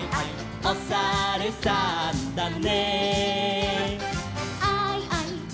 「おさるさんだね」